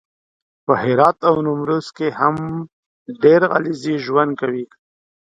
په هرات او نیمروز کې هم ډېر علیزي ژوند کوي